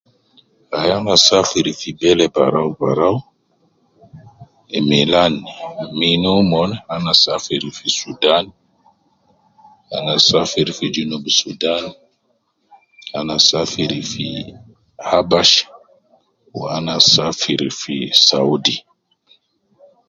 Ai ana safir fi bele barau barau, milan min umon ana safir fi sudan, ana safir fi jinub sudan, ana safir fi habash wu ana safir fi saudi.